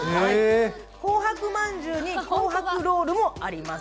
紅白まんじゅうに紅白ロールもあります。